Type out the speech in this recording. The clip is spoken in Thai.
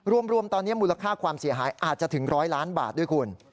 รวมตอนนี้มูลค่าความเสียหายอาจจะถึง๑๐๐ล้านบาทด้วยคุณ